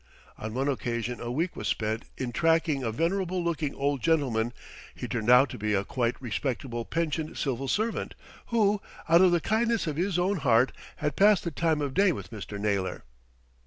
On one occasion a week was spent in tracking a venerable looking old gentleman, he turned out to be a quite respectable pensioned civil servant, who, out of the kindness of his own heart, had passed the time of day with Mr. Naylor.